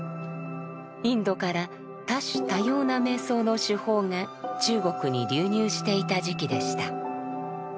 インドから多種多様な瞑想の手法が中国に流入していた時期でした。